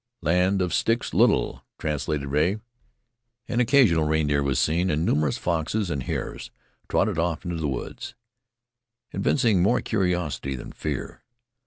"Land of Sticks Little," translated Rea. An occasional reindeer was seen and numerous foxes and hares trotted off into the woods, evincing more curiosity than fear.